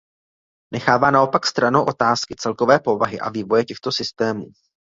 Nechává naopak stranou otázky celkové povahy a vývoje těchto systémů.